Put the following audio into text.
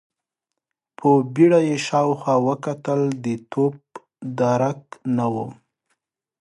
په بيړه يې شاوخوا وکتل، د توپ درک نه و.